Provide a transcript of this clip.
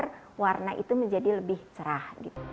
untuk menambah agar warna itu menjadi lebih cerah